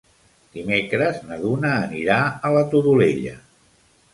Dimecres na Duna anirà a la Todolella.